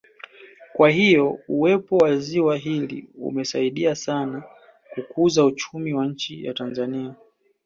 Kwa hiyo uwepo wa ziwa hili umesadia sana kukuza uchumi wa nchi ya Tanzania